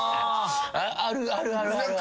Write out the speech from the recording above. あるあるあるある。